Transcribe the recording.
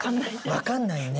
わかんないよね。